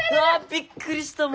びっくりしたもう。